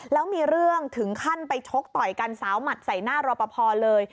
แล้วมีเรื่องถึงขั้นไปชกต่อยกันสาวหมัดใส่หน้ารอปภเลย